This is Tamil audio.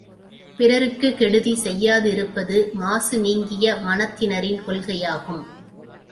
பிறர்க்குக் கெடுதி செய்யாதிருப்பது மாசு நீங்கிய மனத் தினரின் கொள்கையாகும்.